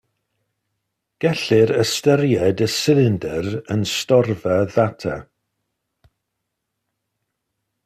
Gellir ystyried y silindr yn storfa ddata.